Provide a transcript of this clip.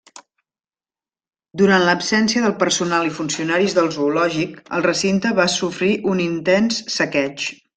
Durant l'absència del personal i funcionaris del zoològic, el recinte va sofrir un intens saqueig.